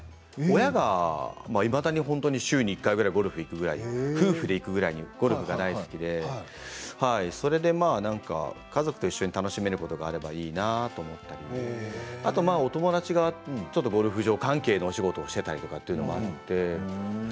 親がいまだに週に１回くらい夫婦で行くぐらいゴルフが大好きで家族と一緒に楽しめることがあればいいなと思ってあと友達がちょっとゴルフ場関係のお仕事をしていたりということもあって。